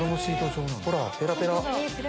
ほらペラペラ。